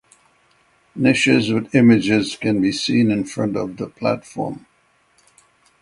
Niches with images can be seen in front of the platform.